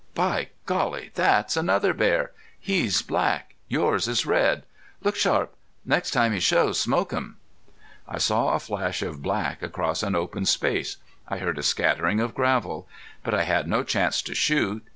By Golly! that's another bear. He's black. Yours is red.... Look sharp. Next time he shows smoke him!" I saw a flash of black across an open space I heard a scattering of gravel. But I had no chance to shoot.